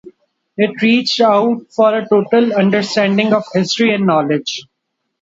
It reached out for a total understanding of history and knowledge.